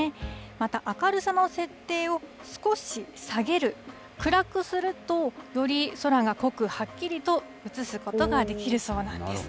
また、明るさの設定を少し下げる、暗くすると、より空が濃くはっきりと写すことができるそうなんです。